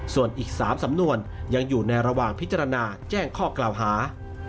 ส่วนอีก๓สำนวนยังอยู่ในระหว่างพิจารณาแจ้งข้อกล่าวหา